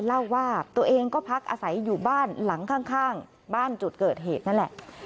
เล่าว่าตัวเองก็พักอาศัยอยู่บ้านหลังข้างบ้านจุดเกิดเหตุนั่นแหละ